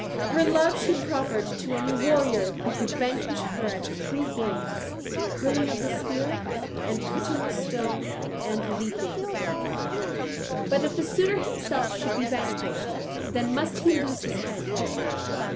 Her love she proffered to any warrior who could vanquish her at three games, hurling of the spear, and putting the stone, and leaping. But if the suitor himself should be vanquished, then must he lose his head.